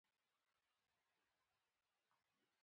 طلحة بن عبد الله او الزبير بن العوام رضي الله عنهما سره ولیدل